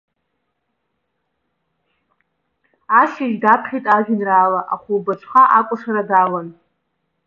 Ашьыжь даԥхьеит ажәеинраала, ахәылбыҽха акәашара далан.